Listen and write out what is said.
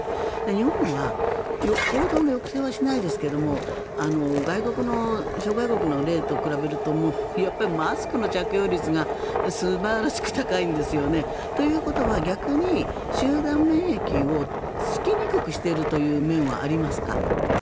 日本は行動の抑制はしないですけども諸外国の例と比べるとやっぱりマスクの着用率が素晴らしく高いんですよね。ということは逆に集団免疫をつけにくくしている面はありますか？